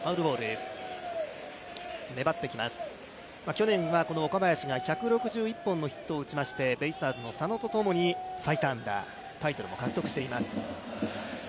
去年は岡林が１１６本のヒットを打ちまして、ベイスターズの佐野とともに最多安打タイトルも獲得しています。